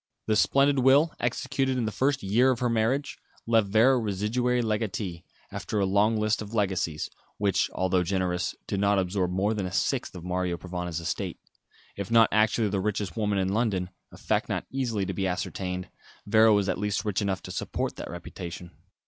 The splendid will, executed in the first year of her marriage, left Vera residuary legatee, after a long list of legacies, which although generous, did not absorb more than a sixth of Mario Provana's estate. If not actually the richest woman in London a fact not easily to be ascertained Vera was at least rich enough to support that reputation.